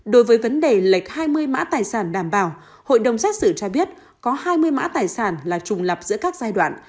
đối với vấn đề lệch hai mươi mã tài sản đảm bảo hội đồng xét xử cho biết có hai mươi mã tài sản là trùng lập giữa các giai đoạn